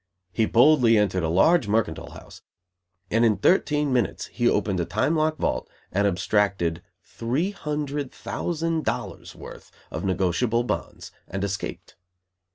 He boldly entered a large mercantile house, and, in thirteen minutes, he opened a time lock vault, and abstracted three hundred thousand dollars worth of negotiable bonds and escaped.